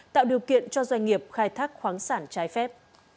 tạo điều kiện cho doanh nghiệp khai thác khoáng sản trái phép